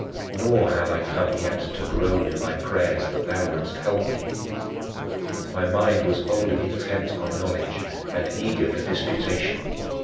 Nor had I come yet to groan in my prayers that thou wouldst help me. My mind was wholly intent on knowledge and eager for disputation.